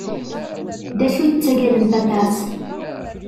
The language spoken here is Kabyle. D acu i tettagadem aṭas?